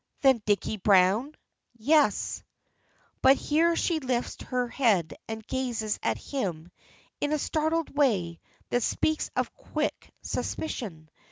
"Than Dicky Brown?" "Yes." But here she lifts her head and gazes at him in a startled way that speaks of quick suspicion.